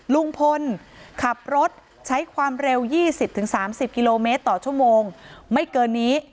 ลุงพลขับรถใช้ความเร็ว๒๐๓๐กิโลเมตรต่อชั่วโมงไม่เกินนี้